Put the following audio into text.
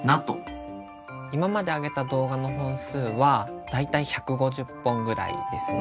今まであげた動画の本数は大体１５０本ぐらいですね。